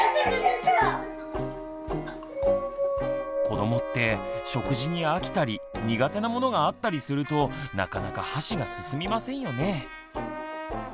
子どもって食事に飽きたり苦手なものがあったりするとなかなか箸が進みませんよね。